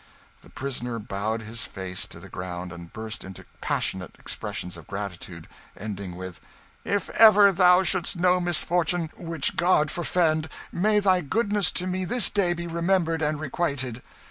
The prisoner bowed his face to the ground and burst into passionate expressions of gratitude ending with "If ever thou shouldst know misfortune which God forefend! may thy goodness to me this day be remembered and requited!"